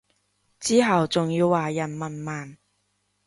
之後仲要話人文盲